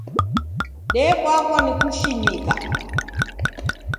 Debwaghwa ni kushinika!